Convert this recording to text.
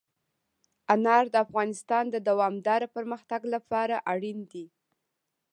انار د افغانستان د دوامداره پرمختګ لپاره اړین دي.